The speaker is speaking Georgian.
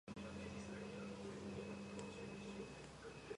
შავი მეტალურგიის ცენტრია.